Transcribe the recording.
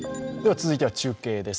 続いては中継です。